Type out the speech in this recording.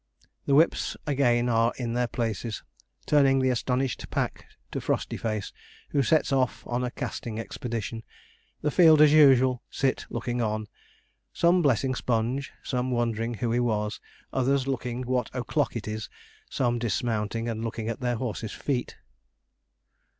The whips again are in their places, turning the astonished pack to Frostyface, who sets off on a casting expedition. The field, as usual, sit looking on; some blessing Sponge; some wondering who he was; others looking what o'clock it is; some dismounting and looking at their horses' feet.